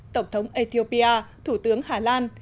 tổng thống ethiopia thủ tướng hà lan